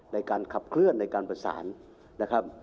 ในการขับเคลื่อนในการประสานนะครับ